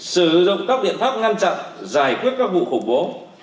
sử dụng các biện pháp ngăn chặn giải quyết các vụ khủng bố